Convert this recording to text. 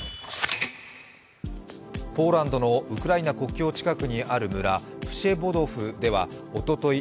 ポーランドのウクライナ国境近くにある村、プシェボドフではおととい